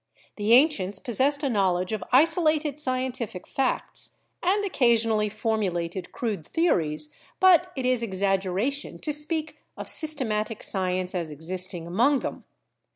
The ancients possessed a knowledge of isolated scientific facts and occasionally formulated crude theories, but it is exaggeration to speak of syste matic science as existing among them.